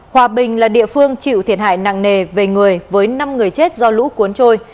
hòa bình là địa phương chịu thiệt hại nặng nề về người với năm người chết do lũ cuốn trôi